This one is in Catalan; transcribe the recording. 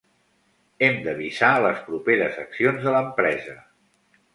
Hem de visar les properes accions de l'empresa.